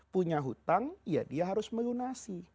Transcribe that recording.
punya hutang ya dia harus melunasi